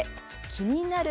気になる。